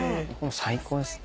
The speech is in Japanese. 最高ですね。